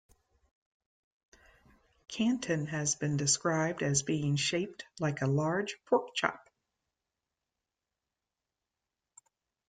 Kanton has been described as being shaped like a large pork chop.